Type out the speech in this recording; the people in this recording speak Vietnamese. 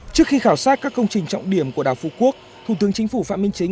trước khi khảo sát các công trình trọng điểm của đảo phú quốc thủ tướng chính phủ phạm minh chính